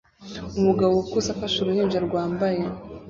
Umugabo ukuze afashe uruhinja rwambaye